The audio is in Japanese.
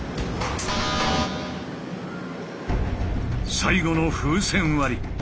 最後の風船割り。